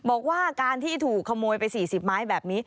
บอกว่าการที่ถูกขโมยไป๔๐ไม้แบบนี้